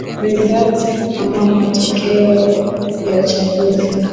results amamatokeo ya uchaguzi